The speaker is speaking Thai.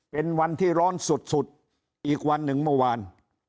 เป็นวันที่ร้อนสุดอีกวันหนึ่งเมื่อวาน